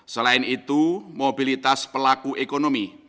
selain itu mobilitas pelaku ekonomi